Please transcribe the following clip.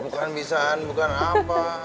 bukan bisaan bukan apa